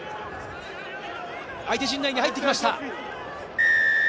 相手陣内に入ってきました。